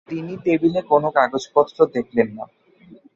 তিনি টেবিলে কোনো কাগজপত্র দেখলেন না।